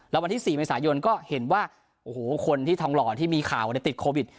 แล้ววันที่๔เมษายนก็เห็นว่าโอ้โหคนที่ทองหล่อที่มีข่าวติดโควิด